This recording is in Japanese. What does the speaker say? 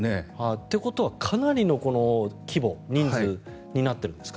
ということはかなりの規模人数になっているんですか？